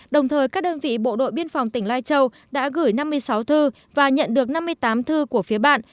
đồng thời các đơn vị bộ đội biên phòng tỉnh lai châu đã gửi năm mươi sáu thư và nhận được năm mươi tám thư của phía bạn